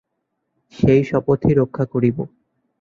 সেই শপথই রক্ষা করিব।